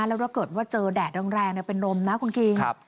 แล้วถ้าเกิดว่าเจอแดดแรงเป็นลมนะคุณคิง